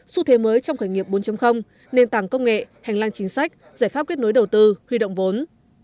xu thế mới trong khởi nghiệp bốn nền tảng công nghệ hành lang chính sách giải pháp kết nối đầu tư huy động vốn